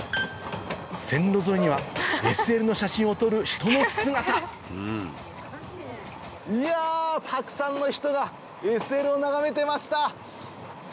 線路沿いにはＳＬの写真を撮る人の姿いやたくさんの人がＳＬを眺めてました。